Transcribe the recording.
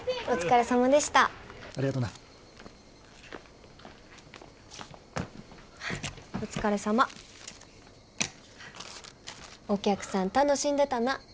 お疲れさま。